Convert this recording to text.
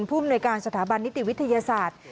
ภูมิหน่วยการสถาบันนิติวิทยาศาสตร์